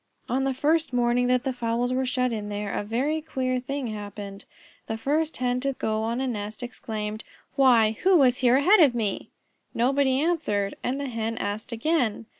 On the first morning that the fowls were shut in there, a very queer thing happened. The first Hen to go on a nest exclaimed, "Why, who was here ahead of me?" Nobody answered, and the Hen asked again.